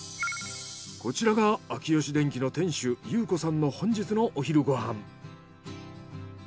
こちらがあきよし電器の店主勇子さんの本日のお昼ご飯。